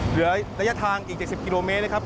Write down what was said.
เหลือระยะทางอีก๗๐กิโลเมตรนะครับ